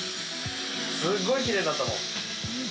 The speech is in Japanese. すごいきれいになったもん。